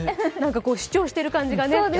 主張している感じがね。